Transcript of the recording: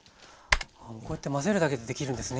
こうやって混ぜるだけでできるんですね